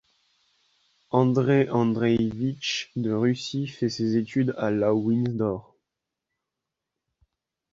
Andreï Andreïevitch de Russie fait ses études à l' à Windsor.